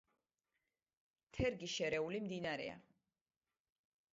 თერგი შერეული მდინარეა.